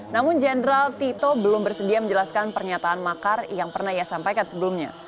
namun jenderal tito belum bersedia menjelaskan pernyataan makar yang pernah ia sampaikan sebelumnya